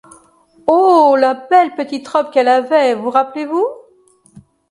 Oh ! la belle petite robe Qu’elle avait, vous rappelez-vous ?